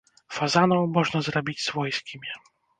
Фазанаў можна зрабіць свойскімі.